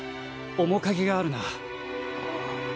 面影があるな。